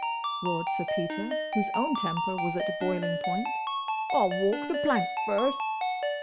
roared Sir Peter, whose own temper was at boiling point. "I'll walk the plank first!"